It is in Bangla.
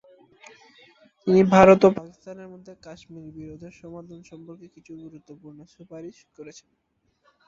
তিনি ভারত ও পাকিস্তানের মধ্যে কাশ্মীর বিরোধের সমাধান সম্পর্কে কিছু গুরুত্বপূর্ণ সুপারিশ করেন।